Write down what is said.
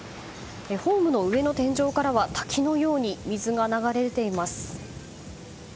ホームの上の天井からは滝のように水が流れています。